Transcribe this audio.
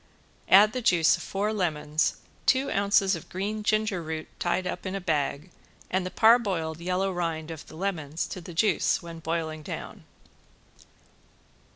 Add the juice of four lemons, two ounces of green ginger root tied up in a bag and the parboiled yellow rind of the lemons to the juice when boiling down.